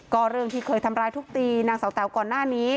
ก็เรื่องที่เคยทำร้ายทุบตีนางสาวแต๋วก่อนหน้านี้